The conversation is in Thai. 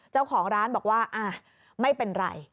เจ้าของร้านบอกว่าไม่เป็นไร